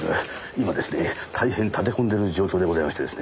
今ですね大変立て込んでる状況でございましてですね。